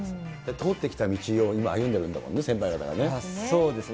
通ってきた道を今、歩んでるんだもんね、そうですね。